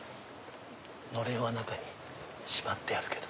のれんは中にしまってあるけど。